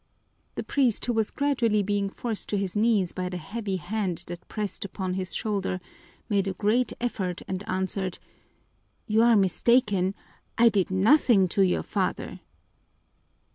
The priest, who was gradually being forced to his knees by the heavy hand that pressed upon his shoulder, made a great effort and answered, "You are mistaken, I did nothing to your father."